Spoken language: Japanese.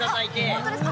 本当ですか。